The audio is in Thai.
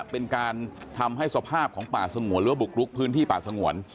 เป็นการทำให้สภาพของป่าสงวนหรือว่าบุกรุกพื้นที่ป่าสงวน